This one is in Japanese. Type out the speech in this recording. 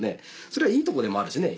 それはいいとこでもあるしね